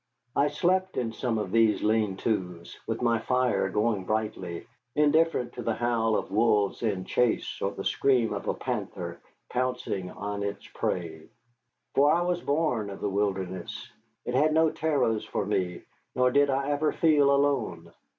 I slept in some of these lean tos, with my fire going brightly, indifferent to the howl of wolves in chase or the scream of a panther pouncing on its prey. For I was born of the wilderness. It had no terrors for me, nor did I ever feel alone.